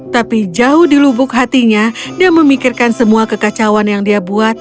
tapi jauh di lubuk hatinya dia memikirkan semua kekacauan yang dia buat